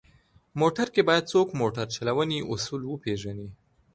موټر کې باید څوک موټر چلونې اصول وپېژني.